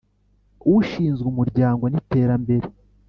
Ushinzwe umuryango n iterambere